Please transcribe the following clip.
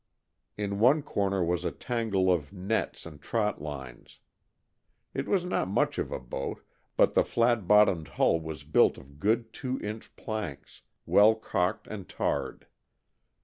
In one corner was a tangle of nets and trot lines. It was not much of a boat, but the flat bottomed hull was built of good two inch planks, well caulked and tarred.